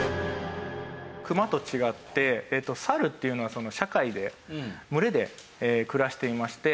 クマと違ってサルっていうのは社会で群れで暮らしていまして。